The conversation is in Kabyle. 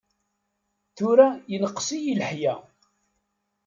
Tura yenqes-iyi leḥya.